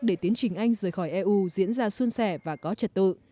để tiến trình anh rời khỏi eu diễn ra xuân sẻ và có trật tự